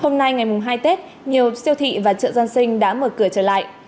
hôm nay ngày hai tết nhiều siêu thị và chợ dân sinh đã mở cửa trở lại